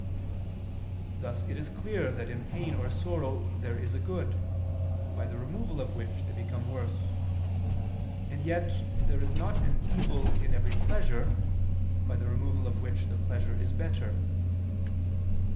Thus it is clear that in pain or sorrow there is a good, by the removal of which they become worse: and yet there is not an evil in every pleasure, by the removal of which the pleasure is better.